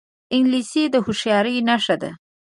انګلیسي د هوښیارۍ نښه ده